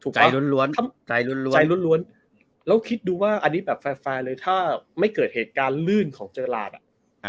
ถูกครับใจล้วนใจล้วนแล้วคิดดูว่าอันนี้แบบถ้าไม่เกิดเหตุการณ์ลื่นของเจอราดอ่ะ